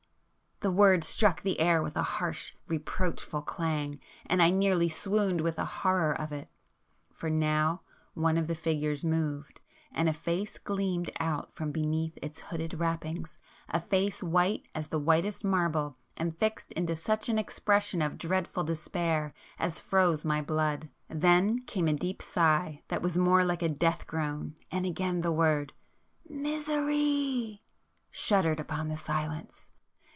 The word struck the air with a harsh reproachful clang, and I nearly swooned with the horror of it. For now one of the Figures moved, and a face gleamed out from beneath its hooded wrappings—a face white as whitest marble and fixed into such an expression of dreadful despair as froze my blood. Then came a deep sigh that was more like a death groan, and again the word, "Misery!" shuddered upon the silence.